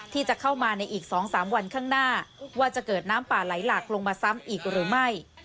ที่จะเข้ามาในอีก๒๓วันข้างหน้าว่าจะเกิดน้ำป่าไหลหลากลงมาซ้ำอีกหรือไม่